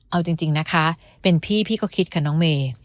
เอาจริงนะคะเป็นพี่พี่ก็คิดค่ะน้องเมย์